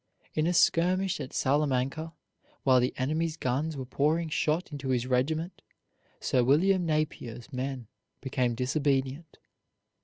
In a skirmish at Salamanca, while the enemy's guns were pouring shot into his regiment, Sir William Napier's men became disobedient.